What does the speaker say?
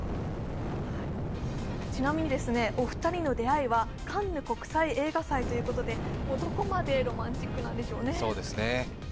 ちなみに、お二人の出会いはカンヌ国際映画祭ということで、どこまでロマンチックなんでしょうね。